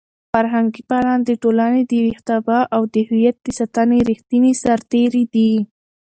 فرهنګي فعالان د ټولنې د ویښتابه او د هویت د ساتنې ریښتیني سرتېري دي.